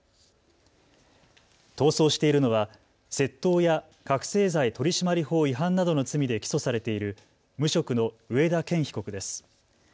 逃走しているのは窃盗や覚醒剤取締法違反などの罪で起訴されている無職の上田健被告です。